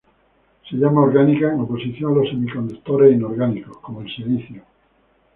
Se llama "orgánica" en oposición a los semiconductores "inorgánicos", como el silicio.